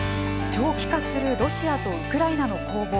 長期化するロシアとウクライナの攻防。